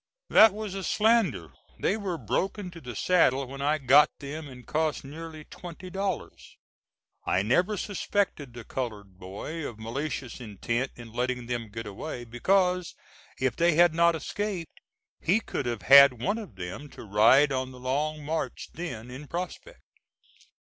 That was a slander; they were broken to the saddle when I got them and cost nearly twenty dollars. I never suspected the colored boy of malicious intent in letting them get away, because, if they had not escaped, he could have had one of them to ride on the long march then in prospect.